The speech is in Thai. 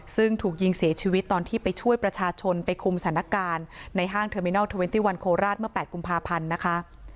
ซึ่งถูกยิงเสียชีวิตตอนที่ไปช่วยประชาชนไปคุมสถานการณ์ในห้างเทอร์มินอลเทอร์เนตี้วันโคราชเมื่อ๘กุมภาพันธ์นะคะ